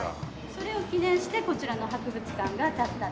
それを記念してこちらの博物館が立った。